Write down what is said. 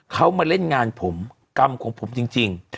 เขามาเล่นงานผมกรรมของผมจริง